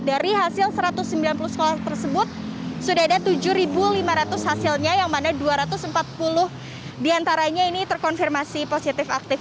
dari hasil satu ratus sembilan puluh sekolah tersebut sudah ada tujuh lima ratus hasilnya yang mana dua ratus empat puluh diantaranya ini terkonfirmasi positif aktif